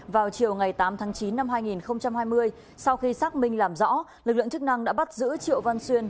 vào chiều ngày tám tháng chín năm hai nghìn hai mươi sau khi xác minh làm rõ lực lượng chức năng đã bắt giữ triệu văn xuyên